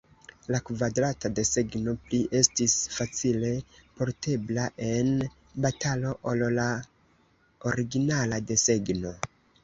La kvadrata desegno pli estis facile portebla en batalo ol la originala desegno.